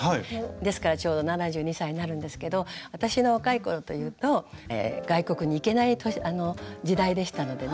ですからちょうど７２歳になるんですけど私の若い頃というと外国に行けない時代でしたのでね